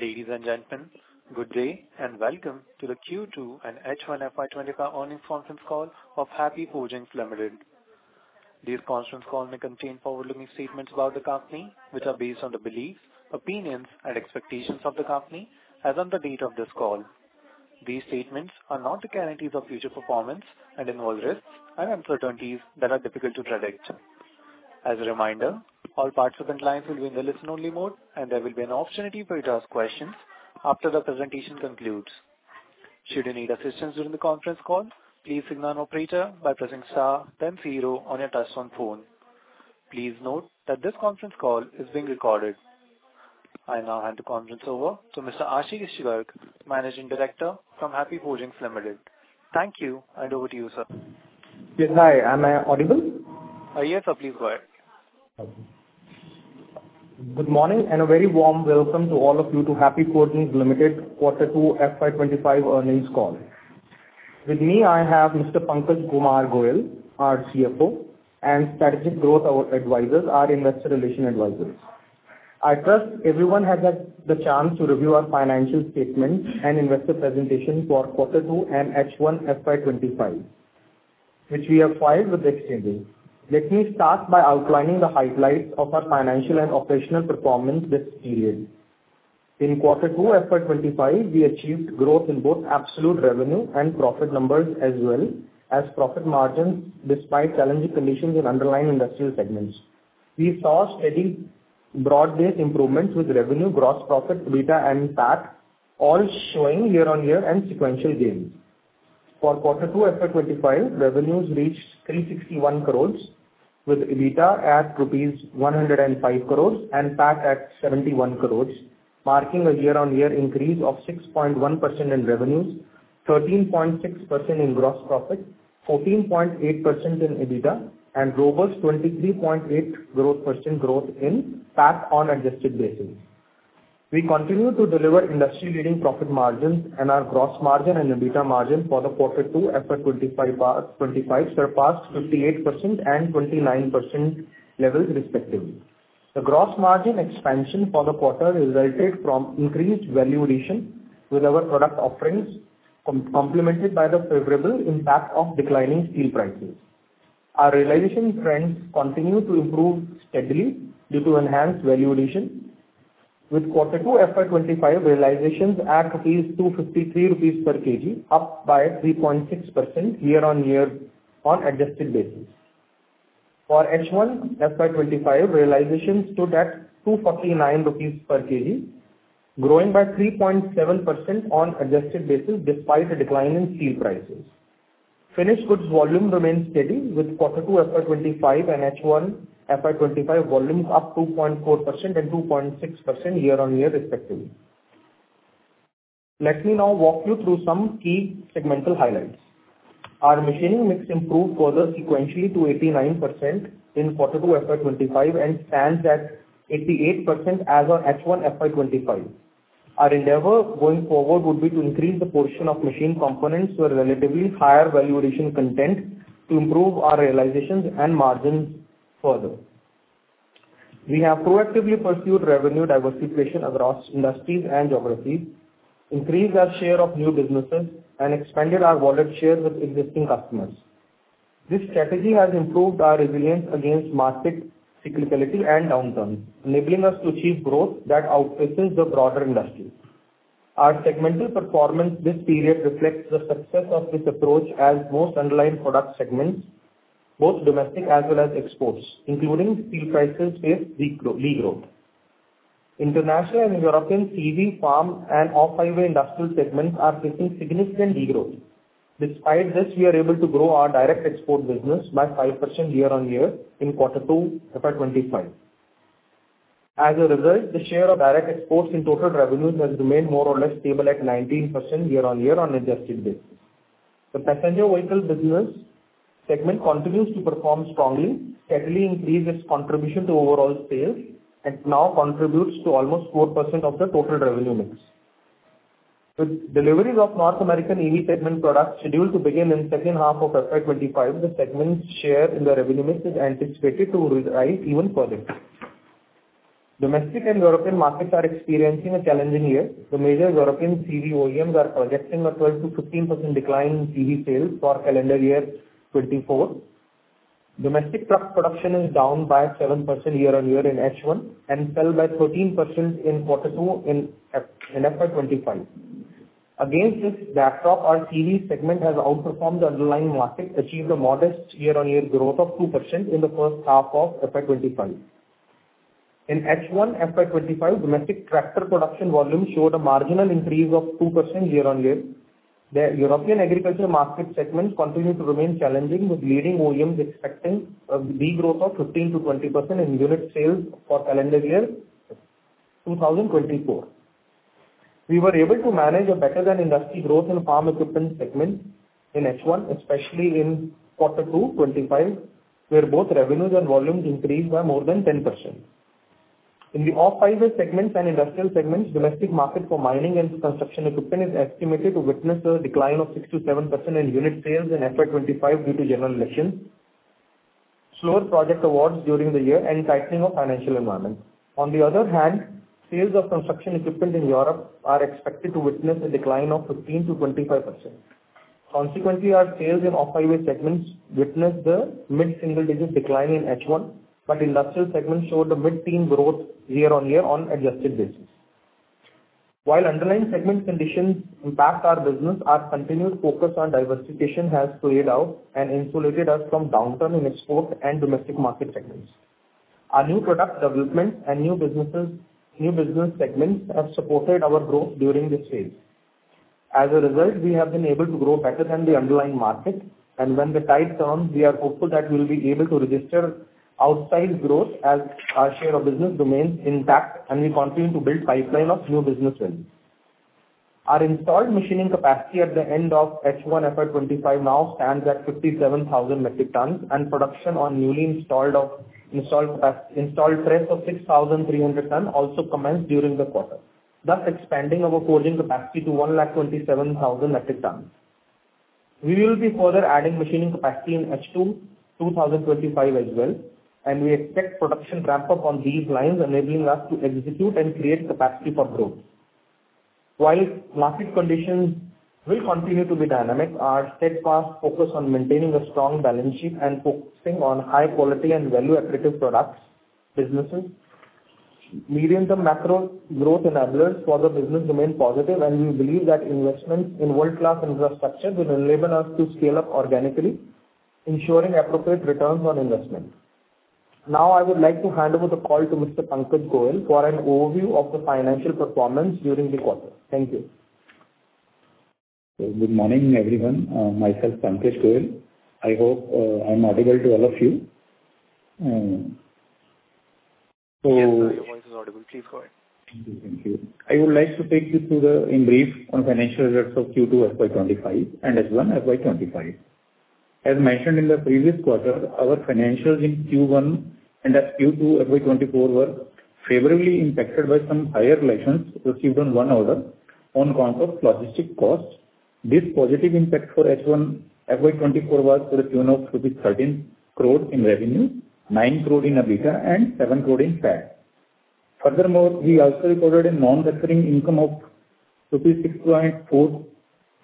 Ladies and gentlemen, good day and welcome to the Q2 and H1 FY25 earnings conference call of Happy Forgings Ltd. These conference calls may contain forward-looking statements about the company, which are based on the beliefs, opinions, and expectations of the company as of the date of this call. These statements are not the guarantees of future performance and involve risks and uncertainties that are difficult to predict. As a reminder, all participant lines will be in the listen-only mode, and there will be an opportunity for you to ask questions after the presentation concludes. Should you need assistance during the conference call, please signal an operator by pressing star, then zero on your touch-tone phone. Please note that this conference call is being recorded. I now hand the conference over to Mr. Ashish Garg, Managing Director from Happy Forgings Ltd. Thank you, and over to you, sir. Yes, hi. Am I audible? Yes, sir. Please go ahead. Good morning and a very warm welcome to all of you to Happy Forgings Ltd's Q2 FY25 earnings call. With me, I have Mr. Pankaj Kumar Goel, our CFO, and Strategic Growth Advisors, our Investor Relations Advisor. I trust everyone has had the chance to review our financial statements and investor presentations for Q2 and H1 FY25, which we have filed with the exchanges. Let me start by outlining the highlights of our financial and operational performance this period. In Q2 FY25, we achieved growth in both absolute revenue and profit numbers as well as profit margins despite challenging conditions in underlying industrial segments. We saw steady broad-based improvements with revenue, gross profit, EBITDA, and PAT, all showing year-on-year and sequential gains. For Q2 FY25, revenues reached 361 crores, with EBITDA at INR 105 crores and PAT at 71 crores, marking a year-on-year increase of 6.1% in revenues, 13.6% in gross profit, 14.8% in EBITDA, and robust 23.8% growth in PAT on adjusted basis. We continue to deliver industry-leading profit margins and our gross margin and EBITDA margin for Q2 FY25 surpassed 58% and 29% levels, respectively. The gross margin expansion for the quarter resulted from increased value addition with our product offerings, complemented by the favorable impact of declining steel prices. Our realization trends continue to improve steadily due to enhanced value addition, with Q2 FY25 realizations at 253 rupees per kg, up by 3.6% year-on-year on adjusted basis. For H1 FY25, realizations stood at 249 rupees per kg, growing by 3.7% on adjusted basis despite a decline in steel prices. Finished goods volume remains steady, with Q2 FY25 and H1 FY25 volumes up 2.4% and 2.6% year-on-year, respectively. Let me now walk you through some key segmental highlights. Our machining mix improved further sequentially to 89% in Q2 FY25 and stands at 88% as of H1 FY25. Our endeavor going forward would be to increase the portion of machined components with relatively higher value addition content to improve our realizations and margins further. We have proactively pursued revenue diversification across industries and geographies, increased our share of new businesses, and expanded our wallet share with existing customers. This strategy has improved our resilience against market cyclicality and downturns, enabling us to achieve growth that outperforms the broader industry. Our segmental performance this period reflects the success of this approach as most underlying product segments, both domestic as well as exports, excluding steel prices, face degrowth. International and European CV, farm, and off-highway industrial segments are facing significant degrowth. Despite this, we are able to grow our direct export business by 5% year-on-year in Q2 FY25. As a result, the share of direct exports in total revenues has remained more or less stable at 19% year-on-year on adjusted basis. The passenger vehicle business segment continues to perform strongly, steadily increasing its contribution to overall sales, and now contributes to almost 4% of the total revenue mix. With deliveries of North American EV segment products scheduled to begin in the second half of FY25, the segment's share in the revenue mix is anticipated to rise even further. Domestic and European markets are experiencing a challenging year. The major European CV OEMs are projecting a 12%-15% decline in CV sales for calendar year 2024. Domestic truck production is down by 7% year-on-year in H1 and fell by 13% in Q2 in FY25. Against this backdrop, our CV segment has outperformed the underlying market, achieving a modest year-on-year growth of 2% in the first half of FY25. In H1 FY25, domestic tractor production volume showed a marginal increase of 2% year-on-year. The European agriculture market segment continued to remain challenging, with leading OEMs expecting a degrowth of 15%-20% in unit sales for calendar year 2024. We were able to manage a better-than-industry growth in the farm equipment segment in H1, especially in Q2 '25, where both revenues and volumes increased by more than 10%. In the off-highway segments and industrial segments, the domestic market for mining and construction equipment is estimated to witness a decline of 6%-7% in unit sales in FY25 due to general elections, slower project awards during the year, and tightening of financial environments. On the other hand, sales of construction equipment in Europe are expected to witness a decline of 15%-25%. Consequently, our sales in off-highway segments witnessed a mid-single-digit decline in H1, but industrial segments showed a mid-teen growth year-on-year on adjusted basis. While underlying segment conditions impact our business, our continued focus on diversification has played out and insulated us from downturn in export and domestic market segments. Our new product developments and new business segments have supported our growth during this phase. As a result, we have been able to grow better than the underlying market, and when the tide turns, we are hopeful that we will be able to register outsized growth as our share of business remains intact, and we continue to build a pipeline of new businesses. Our installed machining capacity at the end of H1 FY25 now stands at 57,000 metric tons, and production on newly installed press of 6,300 tons also commenced during the quarter, thus expanding our forging capacity to 127,000 metric tons. We will be further adding machining capacity in H2 2025 as well, and we expect production ramp-up on these lines, enabling us to execute and create capacity for growth. While market conditions will continue to be dynamic, our steadfast focus on maintaining a strong balance sheet and focusing on high-quality and value-accretive products businesses, medium-term macro growth enablers for the business remain positive, and we believe that investments in world-class infrastructure will enable us to scale up organically, ensuring appropriate returns on investment. Now, I would like to hand over the call to Mr. Pankaj Goel for an overview of the financial performance during the quarter. Thank you. Good morning, everyone. Myself, Pankaj Goel. I hope I'm audible to all of you. Yes, sir. Your voice is audible. Please go ahead. Thank you. I would like to take you through the brief on financial results of Q2 FY25 and H1 FY25. As mentioned in the previous quarter, our financials in Q1 and Q2 FY24 were favorably impacted by some higher realizations received on one order on account of logistics costs. This positive impact for H1 FY24 was to the tune of rupees 13 crores in revenue, 9 crores in EBITDA, and 7 crores in PAT. Furthermore, we also recorded a non-recurring income of rupees 6.40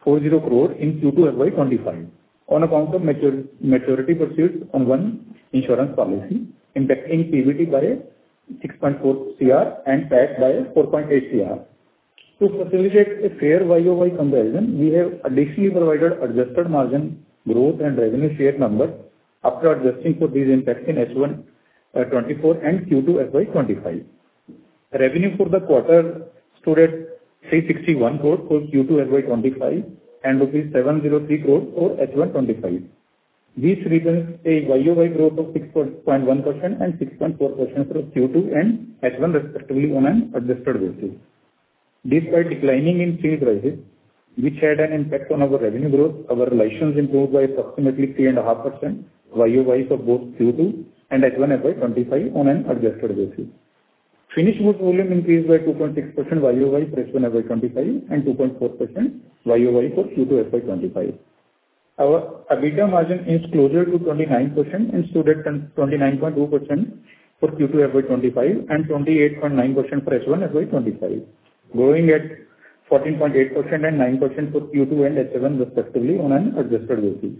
crores in Q2 FY25 on account of maturity proceeds on one insurance policy, impacting PBT by 6.4 crores and PAT by 4.8 crores. To facilitate a fair YOY comparison, we have additionally provided adjusted margin growth and revenue share numbers after adjusting for these impacts in H1 FY24 and Q2 FY25. Revenue for the quarter stood at 361 crores for Q2 FY25 and rupees 703 crores for H1 FY25. This represents a YOY growth of 6.1% and 6.4% for Q2 and H1, respectively, on an adjusted basis. Despite declining in steel prices, which had an impact on our revenue growth, our realization improved by approximately 3.5% YOY for both Q2 and H1 FY25 on an adjusted basis. Finished goods volume increased by 2.6% YOY for H1 FY25 and 2.4% YOY for Q2 FY25. Our EBITDA margin is closer to 29% and stood at 29.2% for Q2 FY25 and 28.9% for H1 FY25, growing at 14.8% and 9% for Q2 and H1, respectively, on an adjusted basis.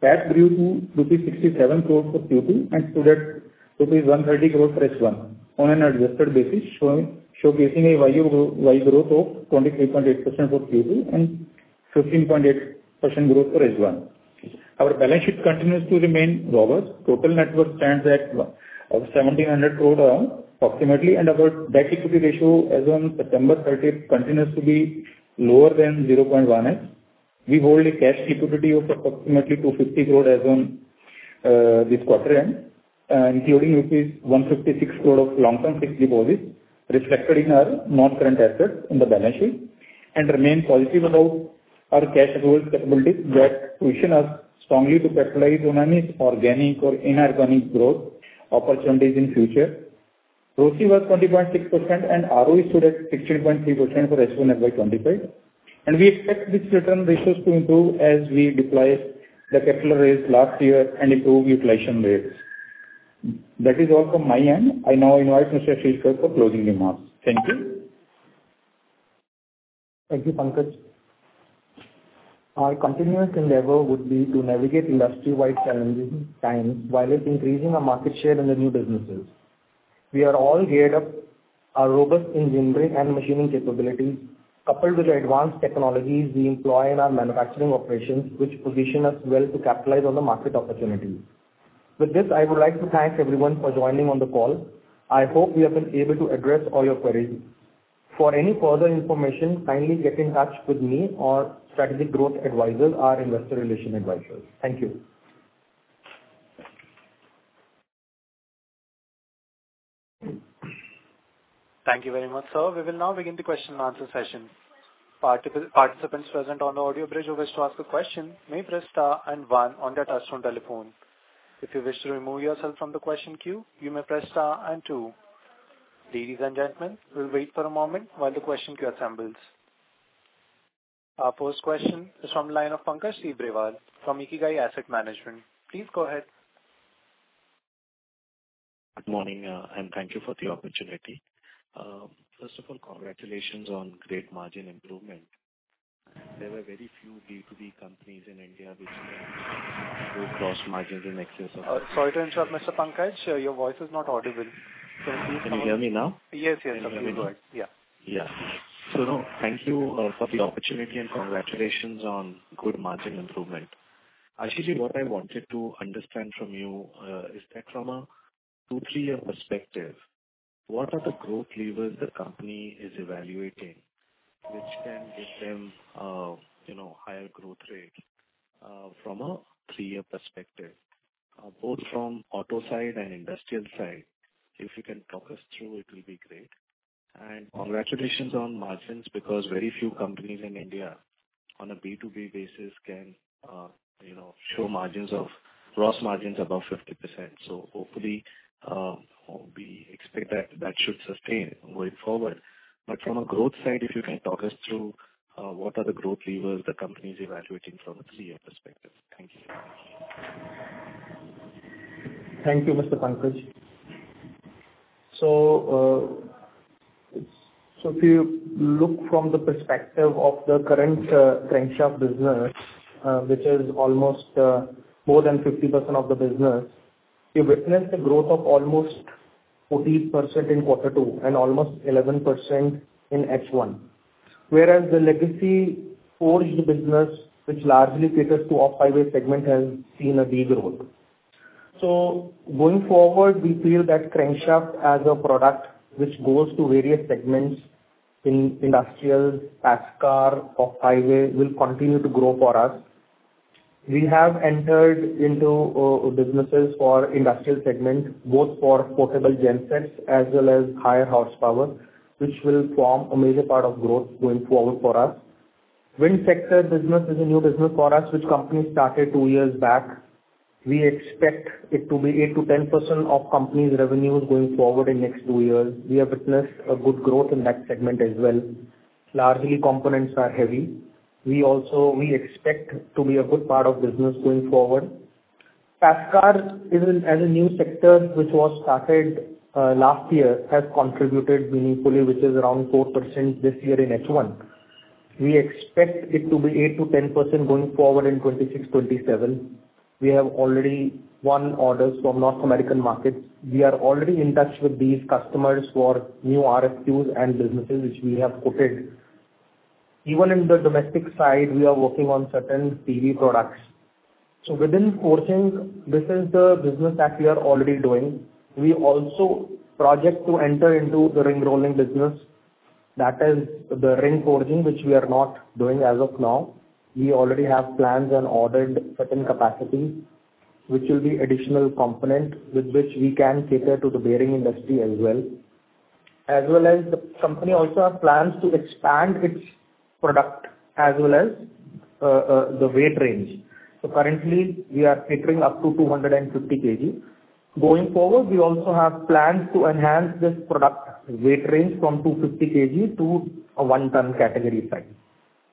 PAT grew to rupees 67 crores for Q2 and stood at rupees 130 crores for H1 on an adjusted basis, showcasing a YOY growth of 23.8% for Q2 and 15.8% growth for H1. Our balance sheet continues to remain robust. Total net worth stands at 1,700 crores approximately, and our debt-equity ratio as of September 30 continues to be lower than 0.1x. We hold a cash liquidity of approximately 250 crores as of this quarter, including rupees 156 crores of long-term fixed deposits reflected in our non-current assets in the balance sheet and remain positive about our cash availability that pushes us strongly to capitalize on any organic or inorganic growth opportunities in the future. Gross margin was 20.6%, and ROE stood at 16.3% for H1 FY25. We expect these return ratios to improve as we deploy the capital raised last year and improve utilization rates. That is all from my end. I now invite Mr. Ashish Garg for closing remarks. Thank you. Thank you, Pankaj. Our continuous endeavor would be to navigate industry-wide challenges and times while increasing our market share in the new businesses. We are all geared up. Our robust engineering and machining capabilities, coupled with the advanced technologies we employ in our manufacturing operations, position us well to capitalize on the market opportunities. With this, I would like to thank everyone for joining on the call. I hope we have been able to address all your queries. For any further information, kindly get in touch with me or Strategic Growth Advisors or Investor Relations Advisors. Thank you. Thank you very much, sir. We will now begin the question-and-answer session. Participants present on the audio bridge who wish to ask a question may press star and one on their touch-tone telephone. If you wish to remove yourself from the question queue, you may press star and two. Ladies and gentlemen, we'll wait for a moment while the question queue assembles. Our first question is from the line of Pankaj Tibrewal from Ikigai Asset Manager. Please go ahead. Good morning, and thank you for the opportunity. First of all, congratulations on great margin improvement. There were very few B2B companies in India which crossed margins in excess of. Sorry to interrupt, Mr. Pankaj. Your voice is not audible. Can you hear me now? Yes, yes. I can hear you well. Yeah. Yeah. So no, thank you for the opportunity and congratulations on good margin improvement. Actually, what I wanted to understand from you is that from a two-to-three-year perspective, what are the growth levers the company is evaluating which can give them a higher growth rate from a three-year perspective, both from auto side and industrial side? If you can talk us through, it will be great. And congratulations on margins because very few companies in India on a B2B basis can show margins of gross margins above 50%. So hopefully, we expect that that should sustain going forward. But from a growth side, if you can talk us through what are the growth levers the company is evaluating from a three-year perspective. Thank you. Thank you, Mr. Pankaj. So if you look from the perspective of the current tranche of business, which is almost more than 50% of the business, you witnessed the growth of almost 40% in quarter two and almost 11% in H1, whereas the legacy forged business, which largely caters to off-highway segment, has seen a degrowth. So going forward, we feel that Crankshaft as a product which goes to various segments, industrial, passenger vehicle, off-highway, will continue to grow for us. We have entered into businesses for industrial segment, both for portable gensets as well as higher horsepower, which will form a major part of growth going forward for us. Wind sector business is a new business for us, which company started two years back. We expect it to be 8%-10% of companies' revenues going forward in the next two years. We have witnessed a good growth in that segment as well. Largely, components are heavy. We also expect to be a good part of business going forward. Passenger vehicle, as a new sector which was started last year, has contributed meaningfully, which is around 4% this year in H1. We expect it to be 8%-10% going forward in 2026-2027. We have already won orders from North American markets. We are already in touch with these customers for new RFQs and businesses which we have quoted. Even in the domestic side, we are working on certain PV products. So within forging, this is the business that we are already doing. We also project to enter into the ring-rolling business, that is the ring forging, which we are not doing as of now. We already have plans and ordered certain capacity, which will be an additional component with which we can cater to the bearing industry as well. As well as the company also has plans to expand its product as well as the weight range. So currently, we are catering up to 250 kg. Going forward, we also have plans to enhance this product weight range from 250 kg to a one-ton category size.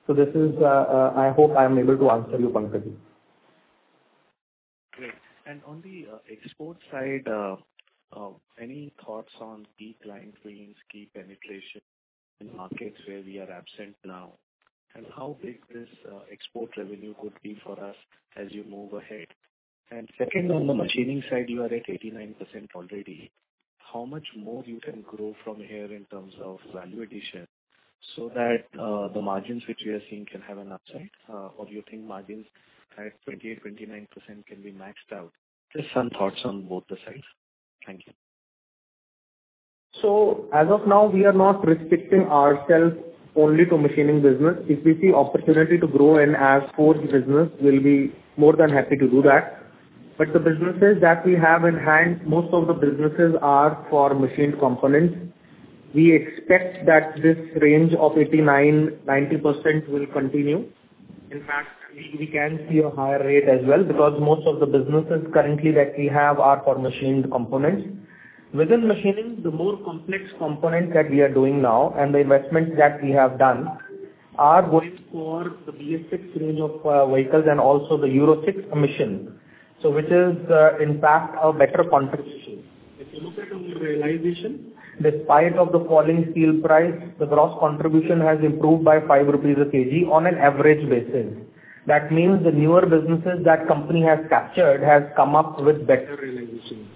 So this is, I hope I am able to answer you, Pankaj. Great. And on the export side, any thoughts on key client wins, key penetration in markets where we are absent now, and how big this export revenue could be for us as you move ahead? And second, on the machining side, you are at 89% already. How much more you can grow from here in terms of value addition so that the margins which we are seeing can have an upside? Or do you think margins at 28%, 29% can be maxed out? Just some thoughts on both sides. Thank you. As of now, we are not restricting ourselves only to machining business. If we see opportunity to grow and ask for the business, we'll be more than happy to do that. But the businesses that we have in hand, most of the businesses are for machined components. We expect that this range of 89%-90% will continue. In fact, we can see a higher rate as well because most of the businesses currently that we have are for machined components. Within machining, the more complex components that we are doing now and the investments that we have done are going for the BS6 range of vehicles and also the Euro 6 emission, which is, in fact, a better contribution. If you look at our realization, despite the falling steel price, the gross contribution has improved by 5 rupees a kg on an average basis. That means the newer businesses that the company has captured have come up with better realization.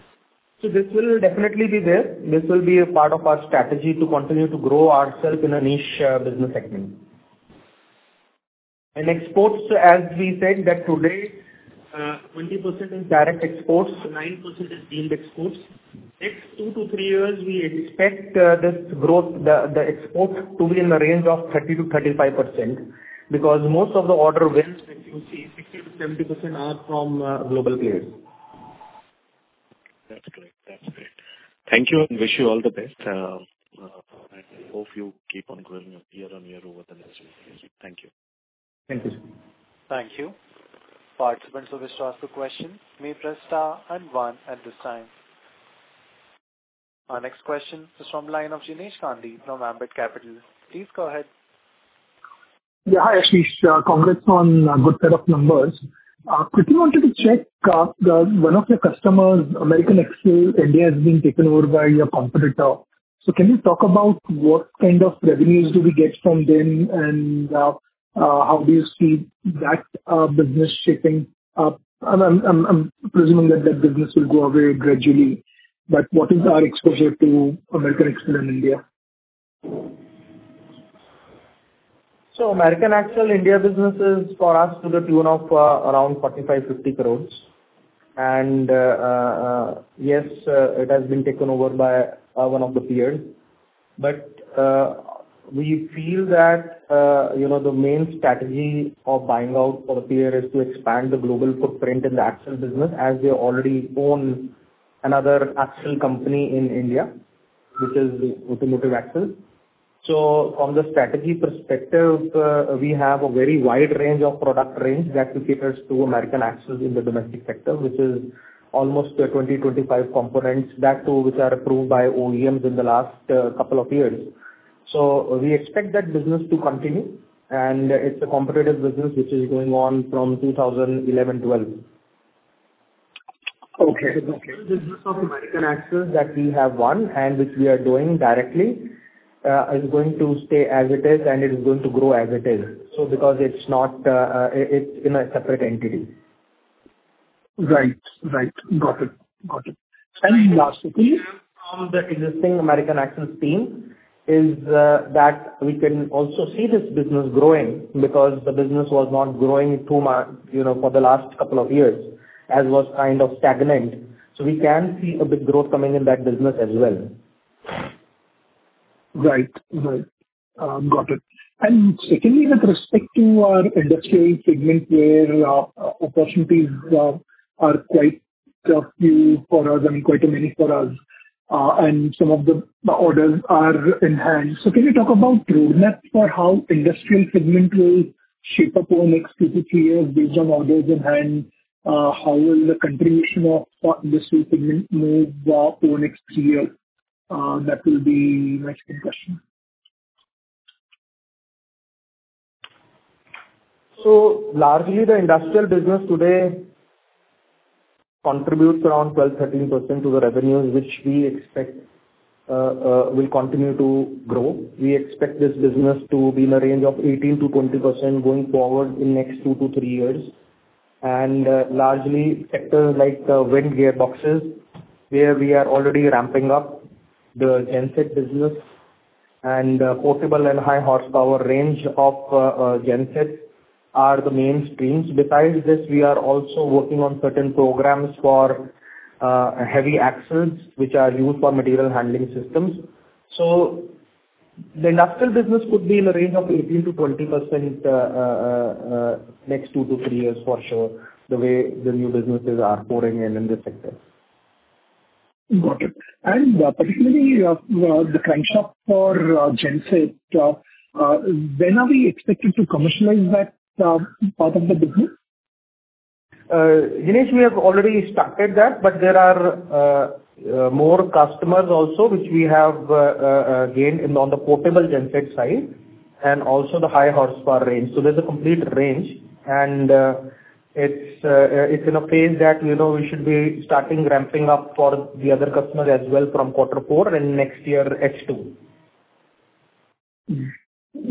So this will definitely be there. This will be a part of our strategy to continue to grow ourselves in a niche business segment. And exports, as we said, that today, 20% is direct exports, 9% is steel exports. Next two to three years, we expect this growth, the export, to be in the range of 30%-35% because most of the order wins, if you see, 60%-70% are from global players. That's great. That's great. Thank you and wish you all the best. I hope you keep on growing year on year over the next few years. Thank you. Thank you, sir. Thank you. Participants who wished to ask a question, may press star and one at this time. Our next question is from the line of Jinesh Gandhi from Ambit Capital. Please go ahead. Yeah. Hi, Ashish. Congrats on a good set of numbers. Quickly wanted to check, one of your customers, American Axle India has been taken over by your competitor. So can you talk about what kind of revenues do we get from them and how do you see that business shaping? I'm presuming that that business will go away gradually. But what is our exposure to American Axle in India? So American Axle India businesses for us stood at around 45-50 crores. And yes, it has been taken over by one of the peers. But we feel that the main strategy of buying out for the peer is to expand the global footprint in the axle business as we already own another axle company in India, which is Automotive Axles. So from the strategy perspective, we have a very wide range of product range that we caters to American Axle in the domestic sector, which is almost 20-25 components that which are approved by OEMs in the last couple of years. So we expect that business to continue. And it's a competitive business which is going on from 2011, 2012. Okay. Okay. The business of American Axle & Manufacturing that we have won and which we are doing directly is going to stay as it is, and it is going to grow as it is. So because it's not in a separate entity. Right. Got it. And lastly, please. The existing American Axle team is that we can also see this business growing because the business was not growing too much for the last couple of years as was kind of stagnant. So we can see a big growth coming in that business as well. Right. Right. Got it. And secondly, with respect to our industrial segment where opportunities are quite few for us, I mean, quite many for us, and some of the orders are in hand. So can you talk about roadmap for how industrial segment will shape up over the next two to three years based on orders in hand? How will the contribution of this segment move over the next year? That will be my second question. Largely, the industrial business today contributes around 12%, 13% to the revenues, which we expect will continue to grow. We expect this business to be in a range of 18%-20% going forward in the next two to three years. Largely, sectors like wind gearboxes, where we are already ramping up the genset business and portable and high horsepower range of gensets are the main streams. Besides this, we are also working on certain programs for heavy axles, which are used for material handling systems. The industrial business could be in a range of 18%-20% next two to three years for sure, the way the new businesses are pouring in in this sector. Got it. And particularly the crankshaft for genset, when are we expected to commercialize that part of the business? Jinesh, we have already started that, but there are more customers also which we have gained on the portable genset side and also the high horsepower range. So there's a complete range, and it's in a phase that we should be starting ramping up for the other customers as well from quarter four and next year, H2.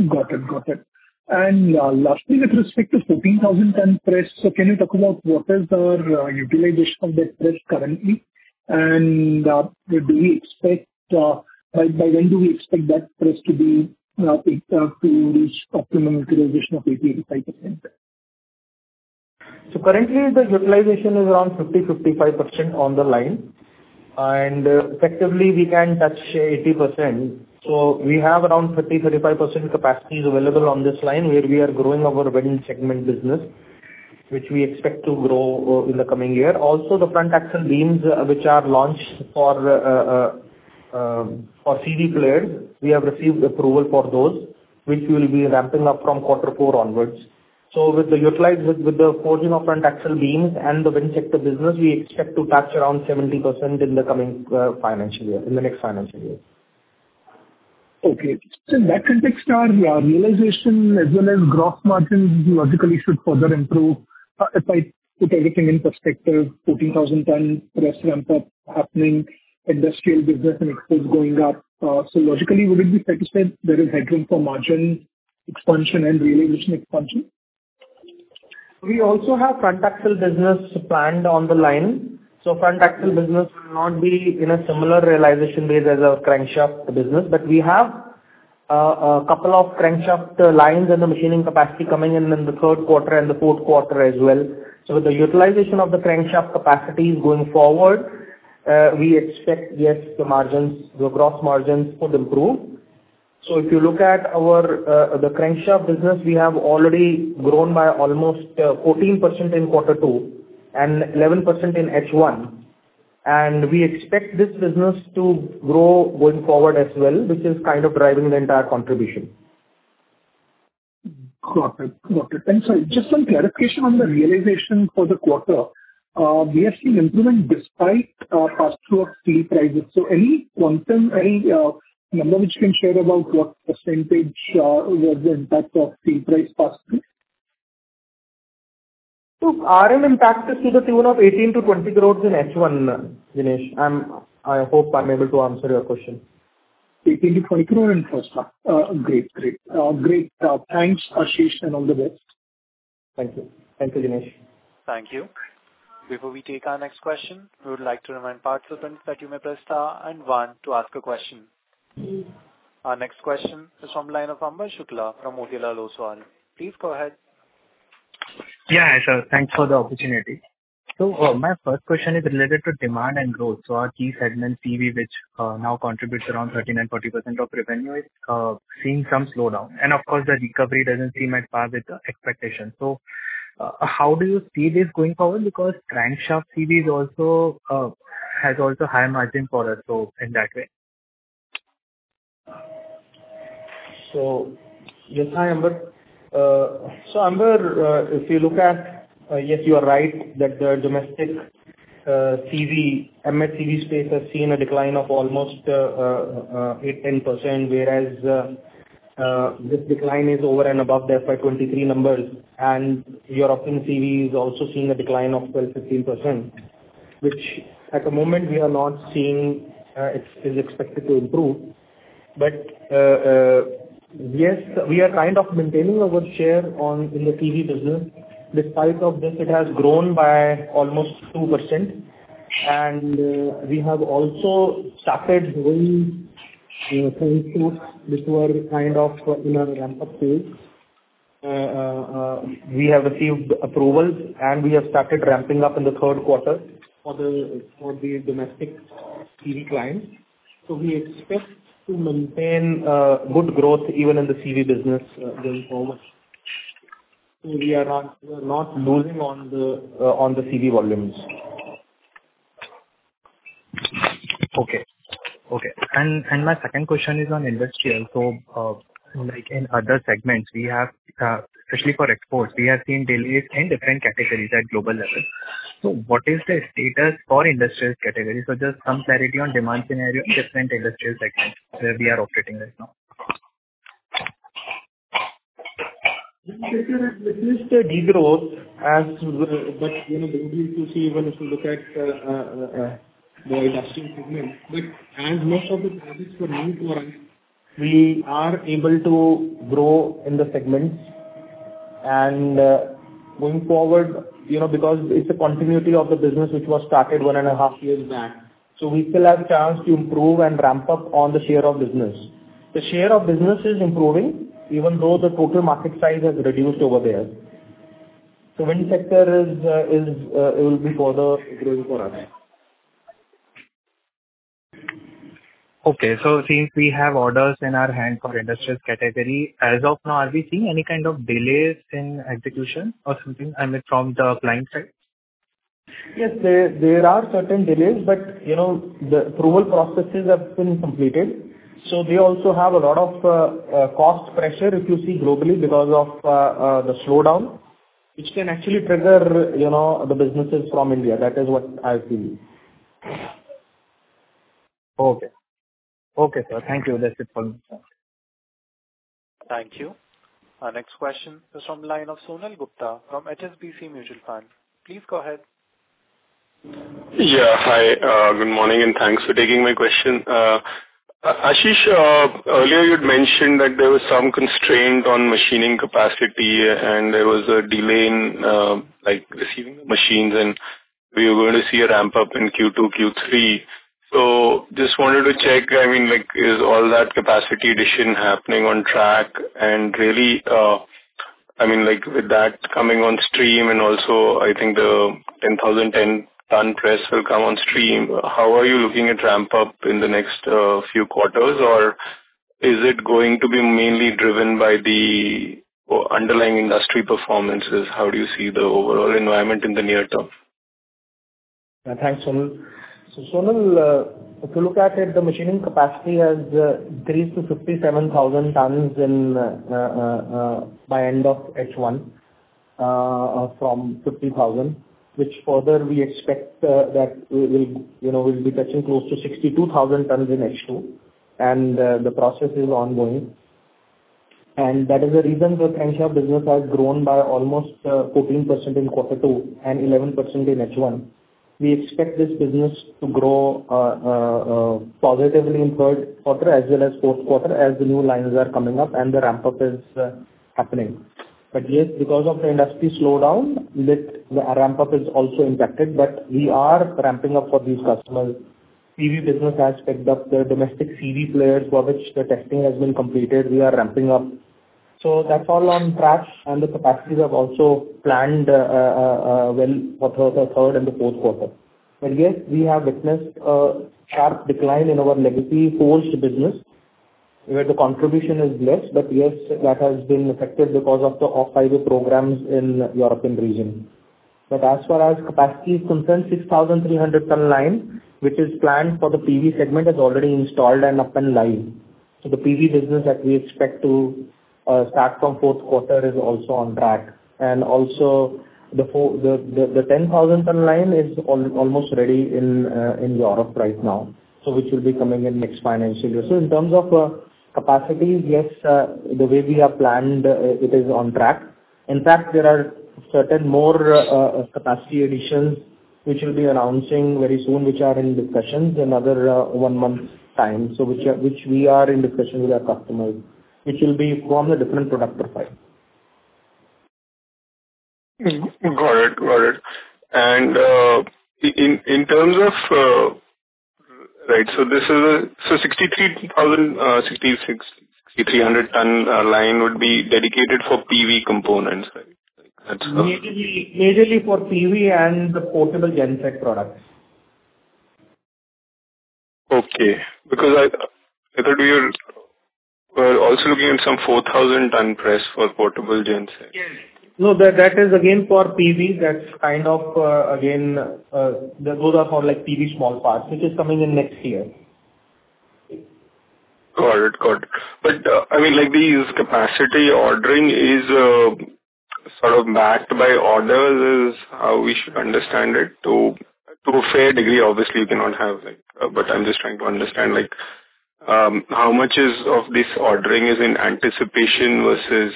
Got it. Got it. And lastly, with respect to 14,000-ton press, so can you talk about what is the utilization of that press currently? And by when do we expect that press to reach optimal utilization of 80%-90%? So currently, the utilization is around 50%-55% on the line. And effectively, we can touch 80%. So we have around 30%-35% capacities available on this line where we are growing our wind segment business, which we expect to grow in the coming year. Also, the front axle beams which are launched for CVs, we have received approval for those, which we will be ramping up from quarter four onwards. So with the forging of front axle beams and the wind sector business, we expect to touch around 70% in the coming financial year, in the next financial year. Okay. So in that context, our realization as well as gross margins logically should further improve. If I put everything in perspective, 14,000-ton press ramp-up happening, industrial business and exports going up. So logically, would it be fair to say there is headroom for margin expansion and realization expansion? We also have front axle business planned on the line. So front axle business will not be in a similar realization rate as our crankshaft business. But we have a couple of crankshaft lines and the machining capacity coming in in the third quarter and the fourth quarter as well. So with the utilization of the crankshaft capacities going forward, we expect, yes, the margins, the gross margins could improve. So if you look at the crankshaft business, we have already grown by almost 14% in quarter two and 11% in H1. And we expect this business to grow going forward as well, which is kind of driving the entire contribution. Got it. Got it. And sorry, just some clarification on the realization for the quarter. We have seen improvement despite the pass-through of steel prices. So any quantum, any number which you can share about what percentage was the impact of steel price pass-through? Our impact is to the tune of 18-20 crores in H1, Jinesh. I hope I'm able to answer your question. 18%-20% crore in first half. Great. Great. Great. Thanks, Ashish, and all the best. Thank you. Thank you, Jinesh. Thank you. Before we take our next question, we would like to remind participants that you may press star and one to ask a question. Our next question is from the line of Amber Shukla from Motilal Oswal. Please go ahead. Yeah. So thanks for the opportunity. So my first question is related to demand and growth. So our key segment, CV, which now contributes around 30% and 40% of revenue, is seeing some slowdown. And of course, the recovery doesn't seem at par with expectations. So how do you see this going forward? Because crankshaft CV has also high margin for us, so in that way. So yes, hi, Amber. So Amber, if you look at, yes, you are right that the domestic CV, M&H CV space has seen a decline of almost 8%-10%, whereas this decline is over and above, thereby 23%. And export CV is also seeing a decline of 12%-15%, which at the moment we are not seeing, is expected to improve. But yes, we are kind of maintaining our share in the CV business. Despite this, it has grown by almost 2%. And we have also started doing Tata trucks which were kind of in a ramp-up phase. We have received approvals, and we have started ramping up in the third quarter for the domestic CV clients. We expect to maintain good growth even in the CV business going forward. We are not losing on the CV volumes. Okay. Okay. And my second question is on industrial. So in other segments, especially for exports, we have seen delays in different categories at global level. So what is the status for industrial categories? So just some clarity on demand scenario in different industrial segments where we are operating right now. There is a degrowth, but we need to see even if we look at the industrial segment. But as most of the projects were moved for us, we are able to grow in the segments. And going forward, because it's a continuity of the business which was started one and a half years back, so we still have a chance to improve and ramp up on the share of business. The share of business is improving even though the total market size has reduced over there. So wind sector will be further growing for us. Okay. So since we have orders in our hand for industrial category, as of now, are we seeing any kind of delays in execution or something, I mean, from the client side? Yes, there are certain delays, but the approval processes have been completed. So we also have a lot of cost pressure, if you see, globally because of the slowdown, which can actually trigger the businesses from India. That is what I've seen. Okay. Okay. Thank you. That's it for me. Thank you. Our next question is from the line of Sonal Gupta from HSBC Mutual Fund. Please go ahead. Yeah. Hi. Good morning and thanks for taking my question. Ashish, earlier you'd mentioned that there was some constraint on machining capacity, and there was a delay in receiving the machines, and we were going to see a ramp-up in Q2, Q3. So just wanted to check, I mean, is all that capacity addition happening on track? And really, I mean, with that coming on stream and also I think the 10,000-ton press will come on stream, how are you looking at ramp-up in the next few quarters, or is it going to be mainly driven by the underlying industry performances? How do you see the overall environment in the near term? Thanks, Sonal. So Sonal, if you look at it, the machining capacity has increased to 57,000 tons by end of H1 from 50,000, which further we expect that we'll be touching close to 62,000 tons in H2. And the process is ongoing. And that is the reason the crankshaft business has grown by almost 14% in quarter two and 11% in H1. We expect this business to grow positively in third quarter as well as fourth quarter as the new lines are coming up and the ramp-up is happening. But yes, because of the industry slowdown, the ramp-up is also impacted, but we are ramping up for these customers. CV business has picked up the domestic CV players for which the testing has been completed. We are ramping up. So that's all on track, and the capacities have also planned well for the third and the fourth quarter. But yes, we have witnessed a sharp decline in our legacy forged business, where the contribution is less, but yes, that has been affected because of the off-highway programs in the Europe region. But as far as capacity is concerned, 6,300-ton line, which is planned for the PV segment, is already installed and up and live. So the PV business that we expect to start from fourth quarter is also on track. And also, the 10,000-ton line is almost ready in Europe right now, which will be coming in next financial year. So in terms of capacity, yes, the way we have planned, it is on track. In fact, there are certain more capacity additions which we'll be announcing very soon, which are in discussion in another one month's time, which we are in discussion with our customers, which will be from the different product profiles. Got it. Got it. And in terms of right, so this is a 6,300-ton line would be dedicated for PV components, right? Majorly for PV and the portable genset products. Okay. Because I thought we were also looking at some 4,000-ton press for portable genset. Yes. No, that is again for PV. That's kind of again, those are for PV small parts, which is coming in next year. Got it. Got it. But I mean, these capacity ordering is sort of backed by orders is how we should understand it to a fair degree. Obviously, you cannot have like, but I'm just trying to understand how much of this ordering is in anticipation versus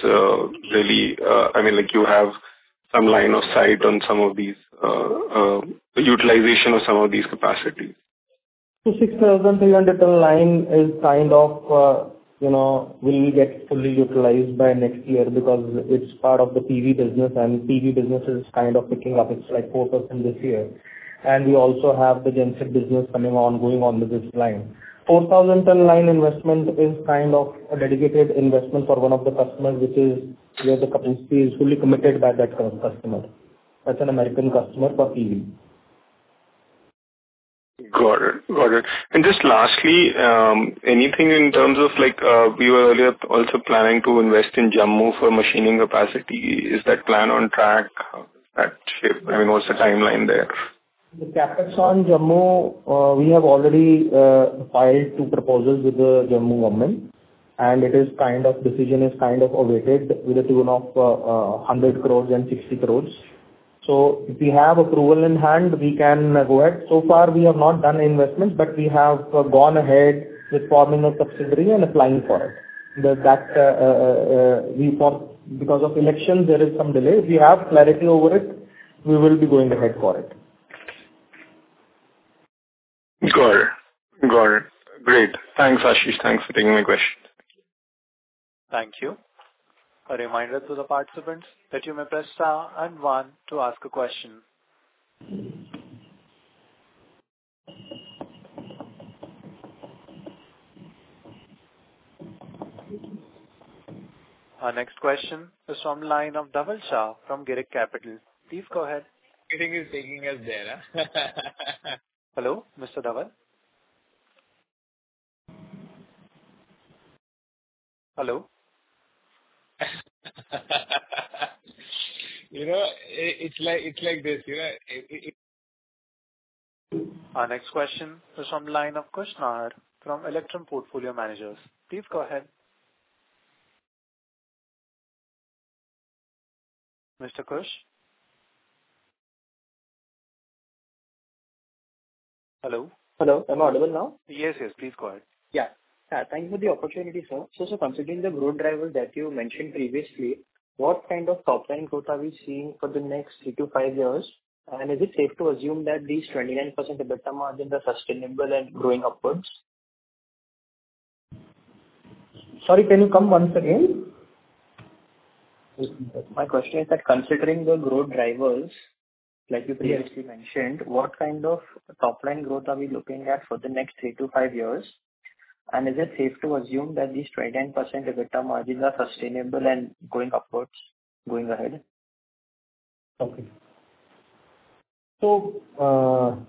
really, I mean, you have some line of sight on some of these utilization of some of these capacities. 6,300-ton line is kind of will get fully utilized by next year because it's part of the PV business, and PV business is kind of picking up. It's like 4% this year. We also have the genset business coming on, going on with this line. 4,000-ton line investment is kind of a dedicated investment for one of the customers, which is where the capacity is fully committed by that customer. That's an American customer for PV. Got it. Got it. And just lastly, anything in terms of we were earlier also planning to invest in Jammu for machining capacity. Is that plan on track? How does that shape? I mean, what's the timeline there? The Capex on Jammu, we have already filed two proposals with the Jammu government, and it is kind of decision is kind of awaited with a tune of 100 crores and 60 crores. So if we have approval in hand, we can go ahead. So far, we have not done investments, but we have gone ahead with forming a subsidiary and applying for it. Because of elections, there is some delay. If we have clarity over it, we will be going ahead for it. Got it. Got it. Great. Thanks, Ashish. Thanks for taking my question. Thank you. A reminder to the participants that you may press star and one to ask a question. Our next question is from the line of Dhaval Shah from Girik Capital. Please go ahead. Everything is taking us there. Hello? Mr. Dhaval? Hello? It's like this. Our next question is from the line of Rakesh Garg from Electrum Portfolio Managers. Please go ahead. Mr. Rakesh? Hello? Hello. Am I audible now? Yes, yes. Please go ahead. Yeah. Yeah. Thanks for the opportunity, sir. So considering the growth drivers that you mentioned previously, what kind of top-line growth are we seeing for the next three to five years? And is it safe to assume that these 29% EBITDA margins are sustainable and growing upwards? Sorry, can you come once again? My question is that considering the growth drivers, like you previously mentioned, what kind of top-line growth are we looking at for the next three to five years? And is it safe to assume that these 29% EBITDA margins are sustainable and going upwards going ahead? Okay. So I'll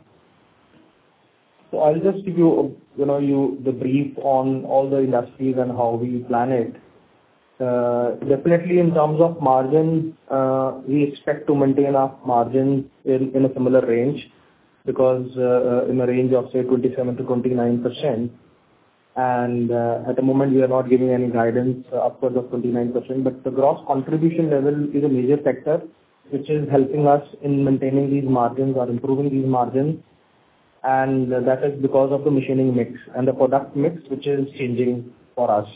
just give you the brief on all the industries and how we plan it. Definitely, in terms of margins, we expect to maintain our margins in a similar range because in a range of, say, 27%-29%. At the moment, we are not giving any guidance upwards of 29%. The gross contribution level is a major factor, which is helping us in maintaining these margins or improving these margins. That is because of the machining mix and the product mix, which is changing for us.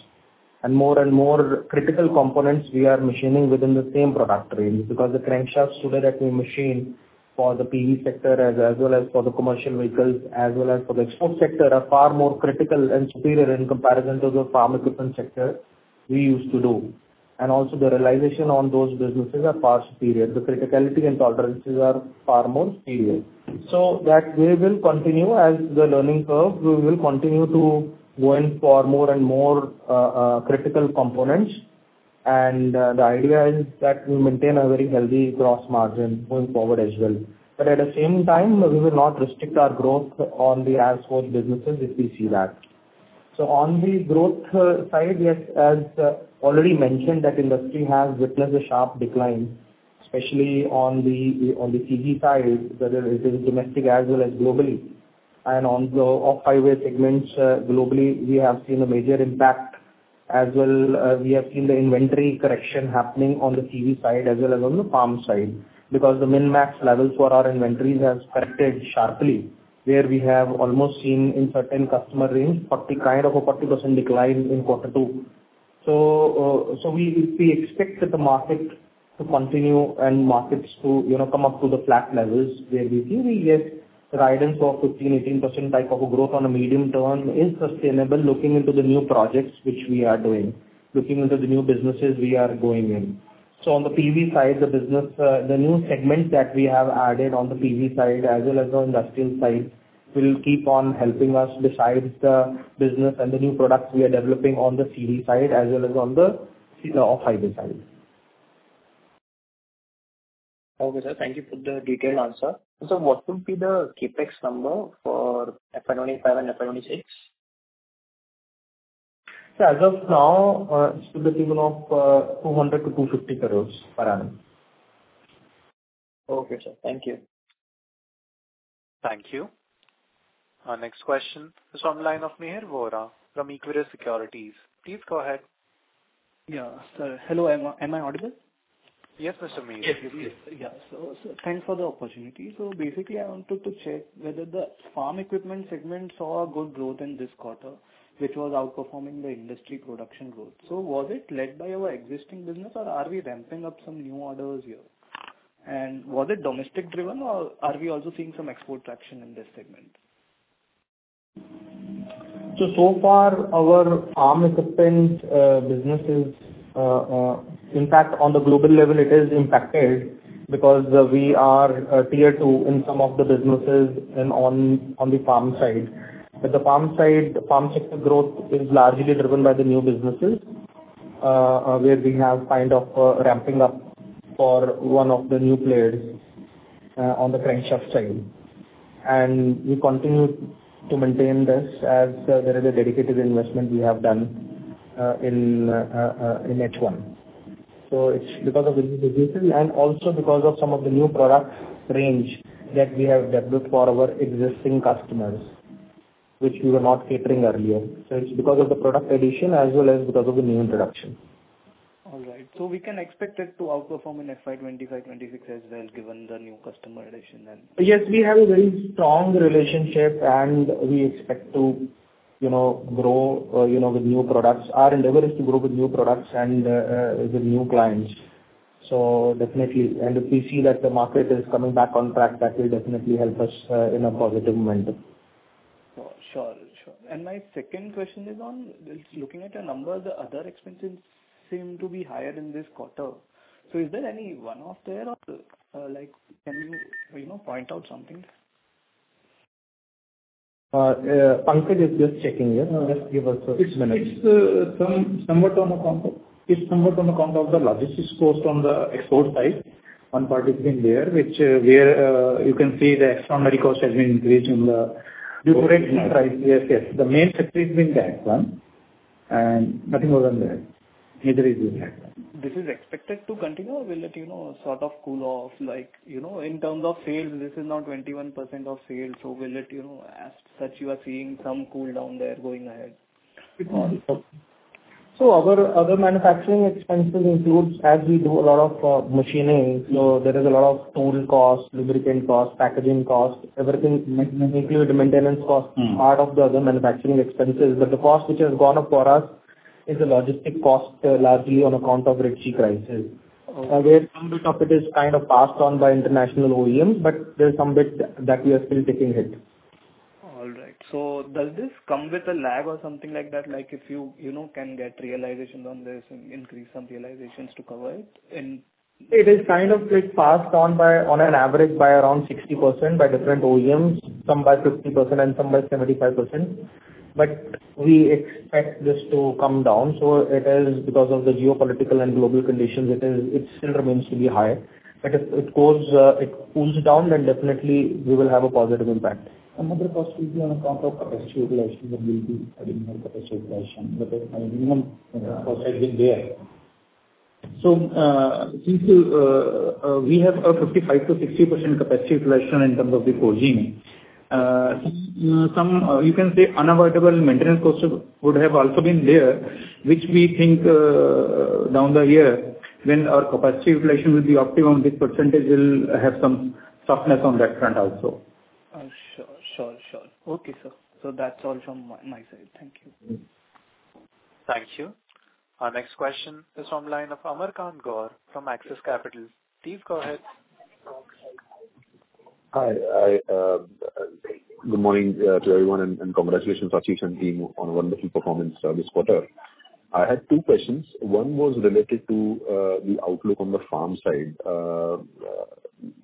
More and more critical components we are machining within the same product range because the crankshafts today that we machine for the PV sector as well as for the commercial vehicles, as well as for the export sector, are far more critical and superior in comparison to the off-highway sector we used to do. Also, the realization on those businesses are far superior. The criticality and tolerances are far more superior. That we will continue as the learning curve. We will continue to go in for more and more critical components. And the idea is that we maintain a very healthy Gross Margin going forward as well. But at the same time, we will not restrict our growth on the export businesses if we see that. So on the growth side, as already mentioned, that industry has witnessed a sharp decline, especially on the CV side, whether it is domestic as well as globally. And on the Off-Highway segments globally, we have seen a major impact as well. We have seen the inventory correction happening on the CV side as well as on the farm side because the min-max levels for our inventories have corrected sharply, where we have almost seen in certain customer range kind of a 40% decline in quarter two. So we expect the market to continue and markets to come up to the flat levels where we see we get the guidance for 15%-18% type of growth on a medium term is sustainable looking into the new projects which we are doing, looking into the new businesses we are going in. So on the PV side, the new segment that we have added on the PV side as well as the industrial side will keep on helping us besides the business and the new products we are developing on the CV side as well as on the off-highway side. Okay, sir. Thank you for the detailed answer. And sir, what would be the CapEx number for FY-25 and FY-26? So as of now, it's in the tune of 200-250 crores per annum. Okay, sir. Thank you. Thank you. Our next question is from the line of Mihir Vora from Equirus Securities. Please go ahead. Yeah. Hello. Am I audible? Yes, Mr. Mihir. Yes, you're here. Yeah, so thanks for the opportunity. So basically, I wanted to check whether the farm equipment segment saw a good growth in this quarter, which was outperforming the industry production growth. So, was it led by our existing business, or are we ramping up some new orders here? And was it domestic-driven, or are we also seeing some export traction in this segment? So far, our forging business's impact on the global level, it is impacted because we are tier two in some of the businesses on the farm side. But the farm sector growth is largely driven by the new businesses, where we have kind of ramping up for one of the new players on the crankshaft side. And we continue to maintain this as there is a dedicated investment we have done in H1. So it's because of these businesses and also because of some of the new product range that we have developed for our existing customers, which we were not catering earlier. So it's because of the product addition as well as because of the new introduction. All right. So we can expect it to outperform in FY-25, FY-26 as well, given the new customer addition then? Yes, we have a very strong relationship, and we expect to grow with new products. Our endeavor is to grow with new products and with new clients. So definitely, and if we see that the market is coming back on track, that will definitely help us in a positive momentum. Sure. Sure. And my second question is on looking at your numbers, the other expenses seem to be higher in this quarter. So is there any one-off there, or can you point out something? Pankaj is just checking in. Just give us a few minutes. It's somewhat on account of the logistics cost on the export side, one particular there, where you can see the extraordinary cost has been increased in the. The correction. Yes, yes. The main factory has been that one, and nothing more than that. Neither is that one. This is expected to continue, or will it sort of cool off? In terms of sales, this is now 21% of sales, so will it, as such, you are seeing some cool down there going ahead? So our other manufacturing expenses include, as we do a lot of machining, so there is a lot of tool cost, lubricant cost, packaging cost, everything including maintenance cost, part of the other manufacturing expenses. But the cost which has gone up for us is the logistic cost, largely on account of the Red Sea Crisis, where some bit of it is kind of passed on by international OEMs, but there's some bit that we are still taking hit. All right. So does this come with a lag or something like that, like if you can get realizations on this and increase some realizations to cover it? It is kind of passed on an average by around 60% by different OEMs, some by 50%, and some by 75%. But we expect this to come down. So it is because of the geopolitical and global conditions, it still remains to be high. But if it cools down, then definitely we will have a positive impact. Another cost will be on account of capacity utilization that will be adding our capacity utilization, but at minimum, cost has been there. Since we have a 55%-60% capacity utilization in terms of the forging, you can say unavoidable maintenance costs would have also been there, which we think down the year, when our capacity utilization will be optimum, this percentage will have some softness on that front also. Sure. Sure. Sure. Okay, sir. So that's all from my side. Thank you. Thank you. Our next question is from the line of Amar Kant Gaur from Axis Capital. Please go ahead. Hi. Good morning to everyone, and congratulations to our chief and team on a wonderful performance this quarter. I had two questions. One was related to the outlook on the farm side.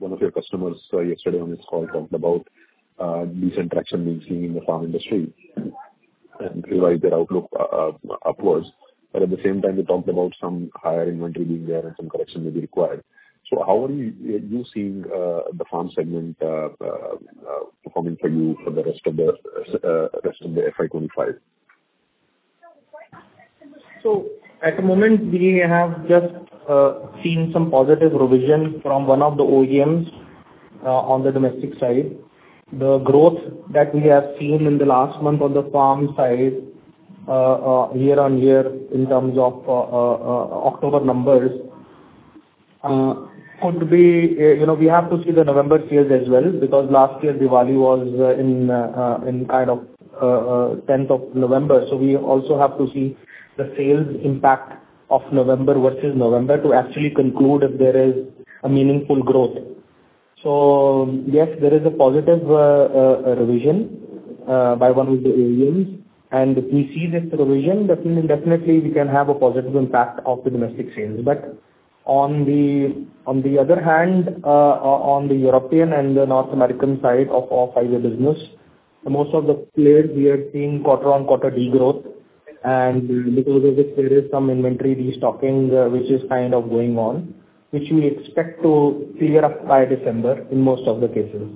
One of your customers yesterday on their call talked about decent traction being seen in the farm industry and revised their outlook upwards. But at the same time, they talked about some higher inventory being there and some correction may be required. So how are you seeing the farm segment performing for you for the rest of the FY-25? So at the moment, we have just seen some positive revision from one of the OEMs on the domestic side. The growth that we have seen in the last month on the farm side year on year in terms of October numbers could be, we have to see the November sales as well because last year, Diwali was in kind of 10th of November. So we also have to see the sales impact of November versus November to actually conclude if there is a meaningful growth. So yes, there is a positive revision by one of the OEMs, and if we see this revision, definitely, we can have a positive impact of the domestic sales. But on the other hand, on the European and the North American side of off-highway business, most of the players we are seeing quarter-on-quarter degrowth. Because of this, there is some inventory restocking, which is kind of going on, which we expect to clear up by December in most of the cases.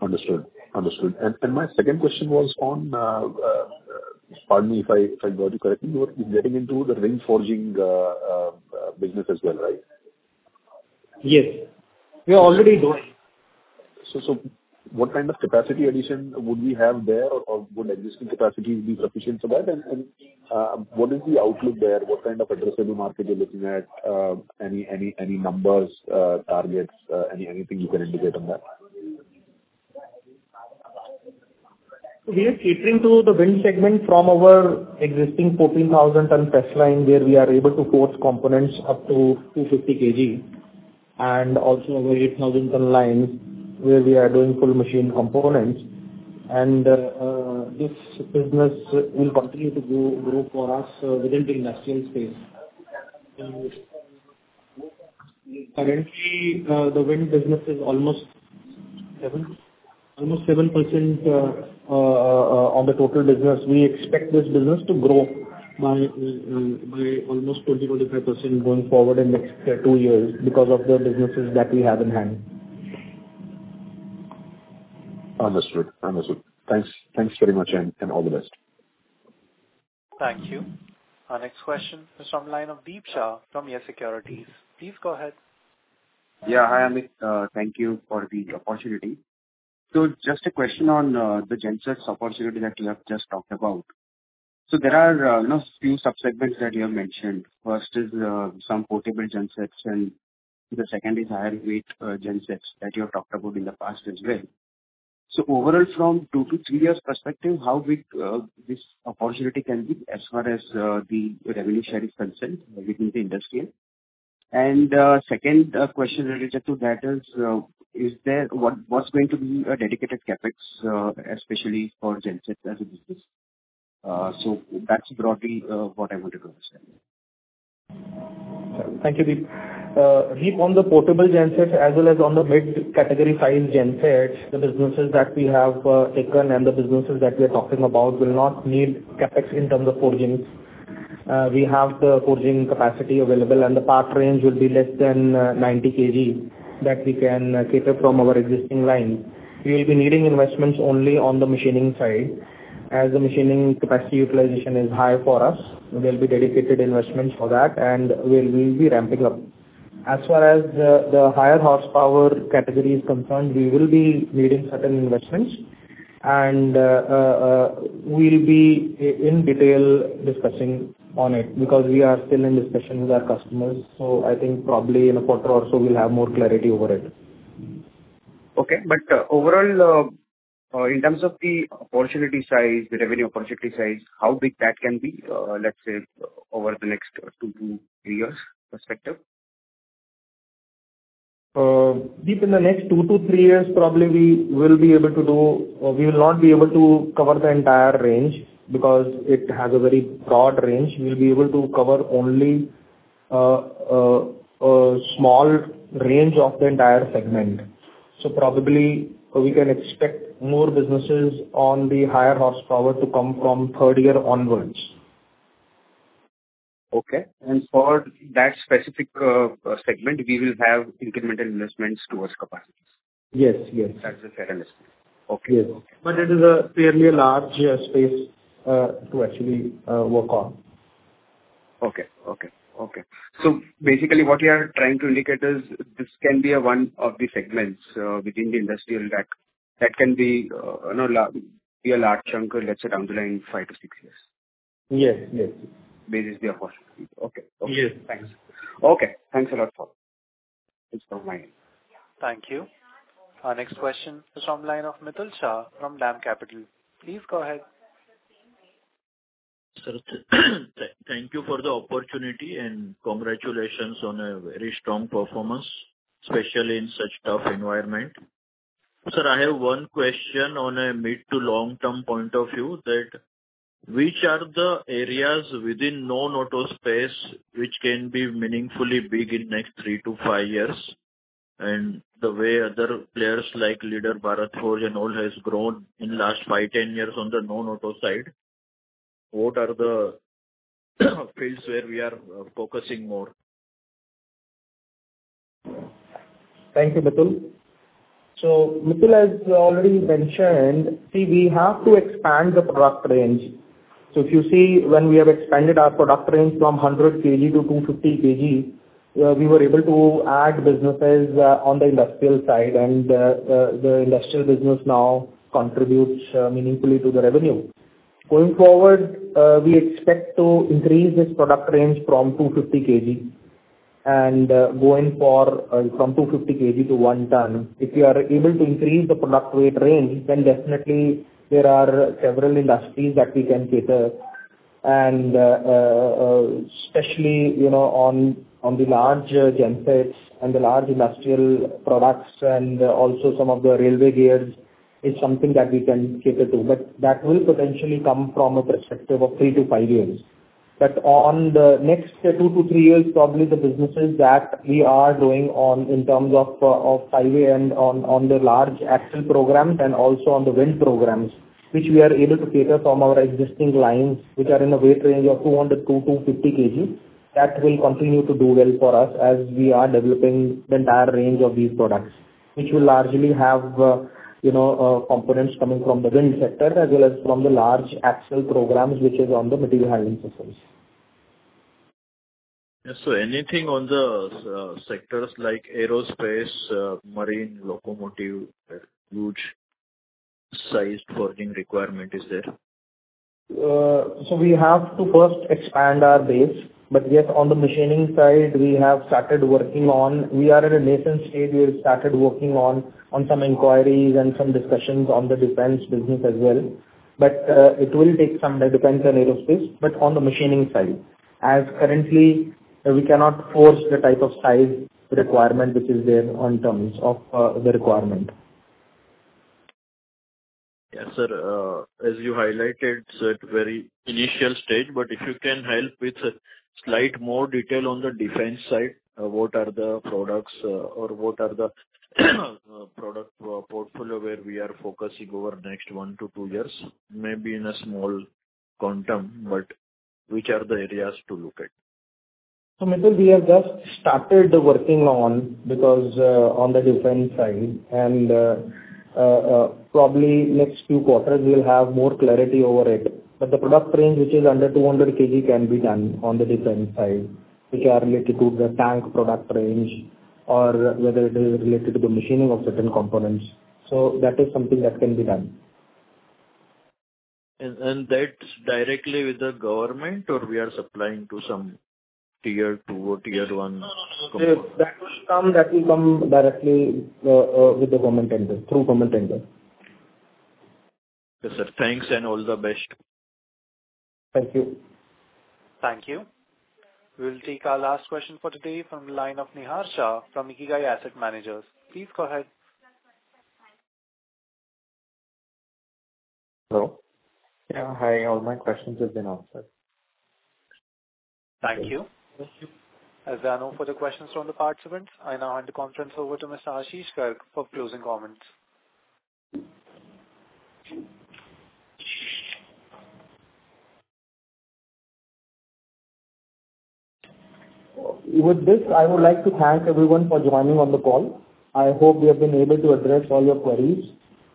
Understood. Understood. And my second question was on, pardon me if I got you correctly, where we're getting into the ring forging business as well, right? Yes. We are already doing. So what kind of capacity addition would we have there, or would existing capacity be sufficient for that? And what is the outlook there? What kind of addressable market you're looking at? Any numbers, targets, anything you can indicate on that? We are catering to the wind segment from our existing 14,000-ton press line, where we are able to forge components up to 250 kg, and also our 8,000-ton lines, where we are doing fully machined components. This business will continue to grow for us within the industrial space. Currently, the wind business is almost 7% of the total business. We expect this business to grow by almost 20%-25% going forward in the next two years because of the businesses that we have in hand. Understood. Understood. Thanks very much, and all the best. Thank you. Our next question is from the line of Deep Shah from YES Securities. Please go ahead. Yeah. Hi, Amit. Thank you for the opportunity. So just a question on the gensets opportunity that you have just talked about. So there are a few subsegments that you have mentioned. First is some portable gensets, and the second is higher-weight gensets that you have talked about in the past as well. So overall, from two to three years' perspective, how big this opportunity can be as far as the revenue share is concerned within the industry? And second question related to that is, what's going to be a dedicated CapEx, especially for gensets as a business? So that's broadly what I wanted to understand. Thank you, Deep. Deep, on the portable gensets as well as on the mid-category size gensets, the businesses that we have taken and the businesses that we are talking about will not need CapEx in terms of forging. We have the forging capacity available, and the part range will be less than 90 kg that we can cater from our existing line. We will be needing investments only on the machining side. As the machining capacity utilization is high for us, there will be dedicated investments for that, and we will be ramping up. As far as the higher horsepower category is concerned, we will be needing certain investments, and we'll be in detail discussing on it because we are still in discussion with our customers. So I think probably in a quarter or so, we'll have more clarity over it. Okay. But overall, in terms of the opportunity size, the revenue opportunity size, how big that can be, let's say, over the next two to three years' perspective? Deep, in the next two to three years, probably we will be able to do - we will not be able to cover the entire range because it has a very broad range. We'll be able to cover only a small range of the entire segment. So probably we can expect more businesses on the higher horsepower to come from third year onwards. Okay. And for that specific segment, we will have incremental investments towards capacity? Yes. Yes. That's the fair understanding. Okay. Yes, but it is clearly a large space to actually work on. Okay. So basically, what we are trying to indicate is this can be one of the segments within the industrial that can be a large chunk, let's say, down the line in five-to-six years. Yes. Yes. Basically, of course. Okay. Okay. Thanks. Okay. Thanks a lot. Thanks from my end. Thank you. Our next question is from the line of Mitul Shah from DAM Capital. Please go ahead. Thank you for the opportunity, and congratulations on a very strong performance, especially in such tough environment. Sir, I have one question on a mid to long-term point of view that which are the areas within non-auto space which can be meaningfully big in the next three to five years? And the way other players like Bharat Forge and all have grown in the last five, 10 years on the non-auto side, what are the fields where we are focusing more? Thank you, Mitul. So Mitul has already mentioned, see, we have to expand the product range. So if you see, when we have expanded our product range from 100 kg to 250 kg, we were able to add businesses on the industrial side, and the industrial business now contributes meaningfully to the revenue. Going forward, we expect to increase this product range from 250 kg and going from 250 kg to 1 ton. If we are able to increase the product weight range, then definitely there are several industries that we can cater. And especially on the large gensets and the large industrial products and also some of the railway gears is something that we can cater to. But that will potentially come from a perspective of three to five years. But, on the next two to three years, probably the businesses that we are doing on in terms of highway and on the large axle programs and also on the wind programs, which we are able to cater from our existing lines, which are in a weight range of 200-250 kg, that will continue to do well for us as we are developing the entire range of these products, which will largely have components coming from the wind sector as well as from the large axle programs, which is on the material handling systems. Yes. So anything on the sectors like aerospace, marine, locomotive, huge-sized forging requirement is there? We have to first expand our base. Yes, on the machining side, we have started working on. We are in a nascent stage. We have started working on some inquiries and some discussions on the defense business as well. It will take some time. Depends on aerospace. On the machining side, currently, we cannot forge the type of size requirement which is there in terms of the requirement. Yes, sir. As you highlighted, sir, it's very initial stage. But if you can help with slight more detail on the defense side, what are the products or what are the product portfolio where we are focusing over the next one to two years, maybe in a small quantum, but which are the areas to look at? So Mitul, we have just started working on, because on the defense side, and probably next few quarters, we'll have more clarity over it. But the product range which is under 200 kg can be done on the defense side, which are related to the tank product range or whether it is related to the machining of certain components. So that is something that can be done. That's directly with the government, or we are supplying to some tier two or tier one companies? That will come directly with the government, through government end. Yes, sir. Thanks, and all the best. Thank you. Thank you. We'll take our last question for today from the line of Nihaar Shah from Ikigai Asset Manager. Please go ahead. Hello. Yeah. Hi. All my questions have been answered. Thank you. As I know for the questions from the participants, I now hand the conference over to Mr. Ashish Garg for closing comments. With this, I would like to thank everyone for joining on the call. I hope we have been able to address all your queries.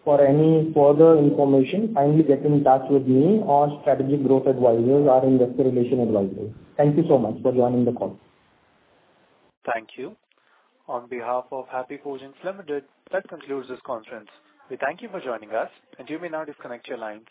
For any further information, kindly get in touch with me or Strategic Growth Advisors or Investor Relations Advisors. Thank you so much for joining the call. Thank you. On behalf of Happy Forgings Limited, that concludes this conference. We thank you for joining us, and you may now disconnect your lines.